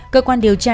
cơ quan điều tra